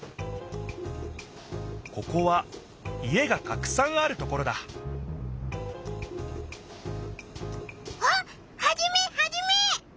ここは家がたくさんあるところだあっハジメハジメ！